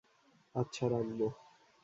আচ্ছা, রাখব।